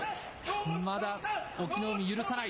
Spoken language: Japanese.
まだ、隠岐の海、許さない。